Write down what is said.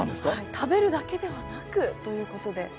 はい食べるだけではなくということで。